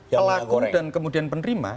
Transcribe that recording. pelaku dan kemudian penerima